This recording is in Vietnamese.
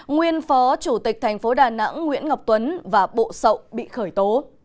nguyên phó chủ tịch tp đà nẵng nguyễn ngọc tuấn và bộ sậu bị khởi tố